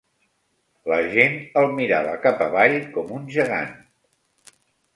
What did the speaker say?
L'agent el mirava cap avall com un gegant.